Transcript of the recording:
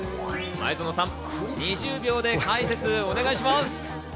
前園さん、２０秒で解説をお願いします。